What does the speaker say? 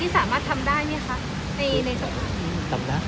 ที่สามารถทำได้ไหมคะ